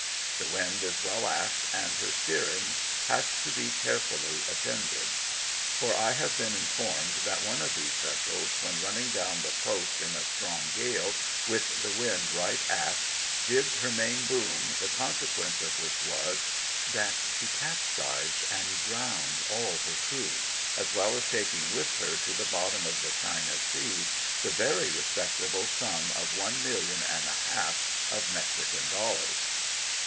The wind is well aft, and her steering has to be care fully attended ; for I have been informed that one of these vessels, when running down the coast in a strong gale, witb the wind right aft, jibbed her main boom, the consequence of which was, that she capsized and drowned all her crew, as well as taking with her to the bottom of the China Sea the very respectable sum of One million and a half of Mexican dollars.